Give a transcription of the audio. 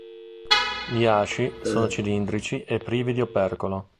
Gli asci sono cilindrici e privi di opercolo.